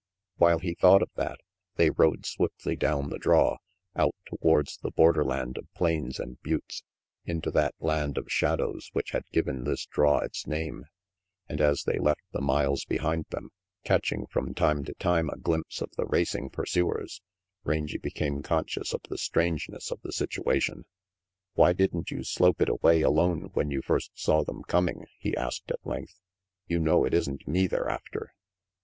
While he thought of that, they rode swiftly down the draw, out towards the borderland of plains and buttes, into that land of shadows which had given this draw its name; and as they left the miles behind them, catching from time to time a glimpse of the RANGY PETE 137 racing pursuers, Rangy became conscious of the strangeness of the situation. "Why didn't you slope it away alone when you first saw them coming?" he asked at length. "You know it isn't me they're after."